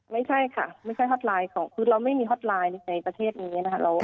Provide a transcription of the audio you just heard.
ไม่ใช่ค่ะไม่ใช่ฮอตไลน์ของคือเราไม่มีฮอตไลน์ในประเทศนี้นะคะ